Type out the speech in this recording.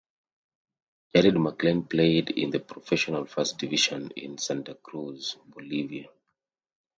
Jared MacLane played in the Professional First Division in Santa Cruz, Bolivia.